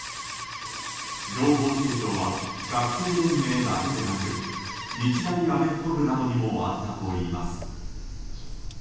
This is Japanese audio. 情報提供は学生連盟だけでなく日大アメフト部などにもあったといいます。